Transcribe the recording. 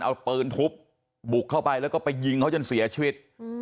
เอาปืนทุบบุกเข้าไปแล้วก็ไปยิงเขาจนเสียชีวิต